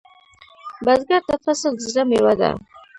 بزګر ته فصل د زړۀ میوه ده